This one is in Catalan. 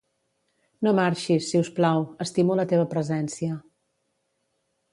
No marxis, siusplau, estimo la teva presència.